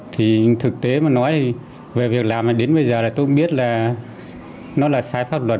thì thực tế mà nói thì về việc làm đến bây giờ là tôi cũng biết là nó là sai pháp luật